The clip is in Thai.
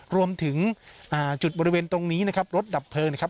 รวมถึงจุดบริเวณตรงนี้นะครับรถดับเพลิงนะครับ